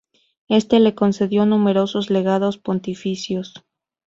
Este le concedió numerosos legados pontificios.